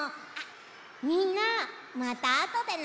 みんなまたあとでね。